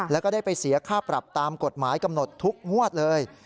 แล้วก็ได้ไปเสียค่าปรับตามกฎหมายกำหนดทุกงวดเลย